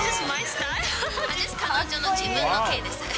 彼女の自分の系です。